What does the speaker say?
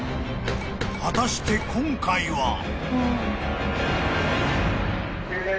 ［果たして今回は］